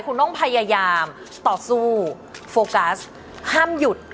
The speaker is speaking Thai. คุณต้องพยายามต่อสู้โฟกัสห้ามหยุด